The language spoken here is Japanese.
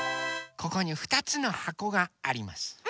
ここにふたつのはこがあります。